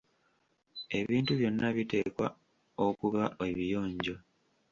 Ebintu byonna biteekwa okuba ebiyonjo.